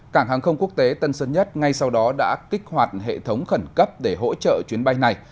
cảng hàng không quốc tế tân sơn nhất ngay sau đó đã kích hoạt hệ thống khẩn cấp để hỗ trợ chuyến bay này